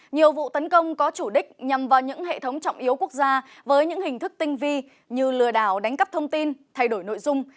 nhiều vụ tấn công có chủ đích nhằm vào những hệ thống trọng yếu quốc gia với những hình thức tinh vi như lừa đảo đánh cắp thông tin thay đổi nội dung